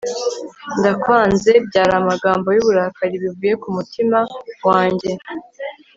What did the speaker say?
ndakwanze! byari amagambo y'uburakari bivuye ku mutima wanjye